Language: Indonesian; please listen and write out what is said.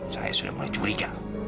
saya sudah mulai curiga